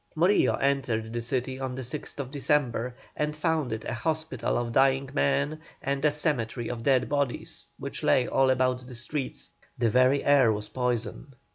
Morillo entered the city on the 6th December, and found it a hospital of dying men, and a cemetery of dead bodies, which lay all about the streets; the very air was poison.